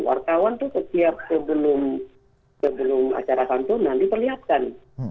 wartawan itu setiap sebelum acara santunan diperlihatkan